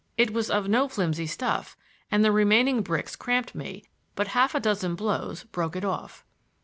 It was of no flimsy stuff and the remaining bricks cramped me, but half a dozen blows broke it off.